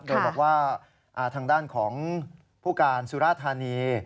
โดยบอกว่าทางด้านของผู้การสุราธานี